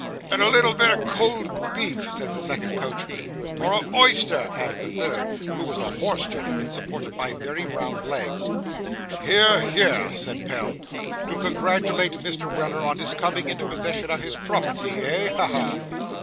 'And a little bit o' cold beef,' said the second coachman. 'Or a oyster,' added the third, who was a hoarse gentleman, supported by very round legs. 'Hear, hear!' said Pell; 'to congratulate Mr. Weller, on his coming into possession of his property, eh? Ha! ha!